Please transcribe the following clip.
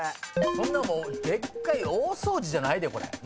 そんなもうでっかい大掃除じゃないでこれ。